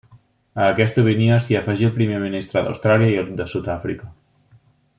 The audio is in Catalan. A aquesta opinió s'hi afegí el primer ministre d'Austràlia i el de Sud-àfrica.